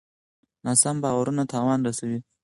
ناسم باورونه تاوان رسوي.